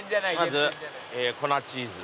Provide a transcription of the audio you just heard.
まず粉チーズ。